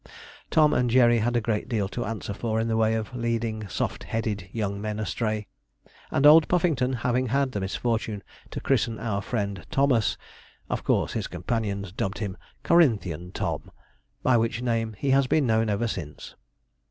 Tom and Jerry had a great deal to answer for in the way of leading soft headed young men astray; and old Puffington having had the misfortune to christen our friend 'Thomas,' of course his companions dubbed him 'Corinthian Tom'; by which name he has been known ever since.